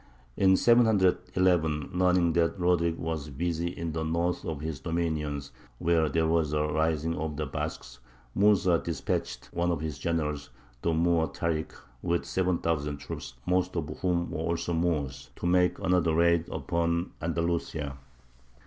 In 711, learning that Roderick was busy in the north of his dominions, where, there was a rising of the Basques, Mūsa despatched one of his generals, the Moor Tārik, with 7,000 troops, most of whom were also Moors, to make another raid upon Andalusia.